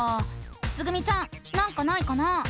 つぐみちゃんなんかないかな？